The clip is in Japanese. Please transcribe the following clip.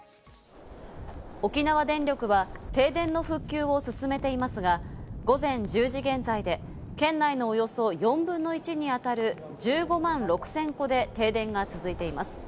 沖縄電力は停電の復旧を進めていますが、午前１０時現在で県内のおよそ４分の１にあたる１５万６０００戸で停電が続いています。